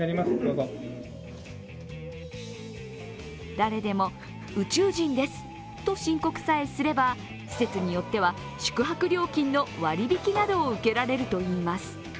誰でも宇宙人ですと申告さえすれば、施設によっては宿泊料金の割り引きなどを受けられるといいます。